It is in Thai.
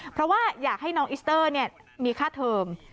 เพราะว่าอยากให้น้องอิสเตอร์มีค่าเทอม